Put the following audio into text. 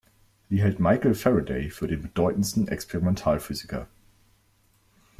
Sie hält Michael Faraday für den bedeutendsten Experimentalphysiker.